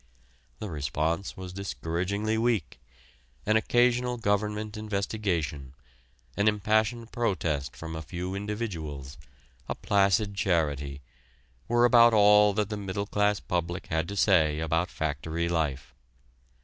The response was discouragingly weak an occasional government investigation, an impassioned protest from a few individuals, a placid charity, were about all that the middle class public had to say about factory life.